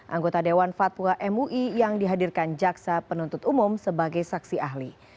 anggota dewan fatwa mui yang dihadirkan jaksa penuntut umum sebagai saksi ahli